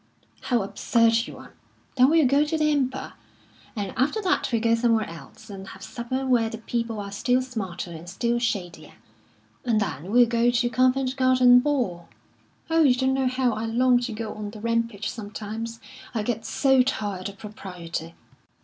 "How absurd you are! Then we'll go to the Empire. And after that we'll go somewhere else, and have supper where the people are still smarter and still shadier; and then we'll go to Covent Garden Ball. Oh, you don't know how I long to go on the rampage sometimes! I get so tired of propriety."